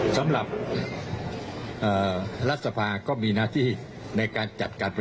สำหรับและยังไงคุณเจ็บว่าวันที่๒๒ในคำวิดชุมครับ